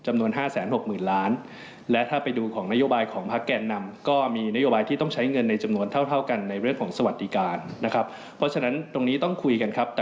มันพอกับนโยบายสวัสดิการของทางก้าวกล่ายค่ะ